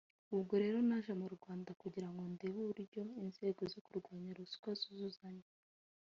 ubwo rero naje mu Rwanda kugira ngo ndebe uburyo inzego zo kurwanya ruswa zuzuzanya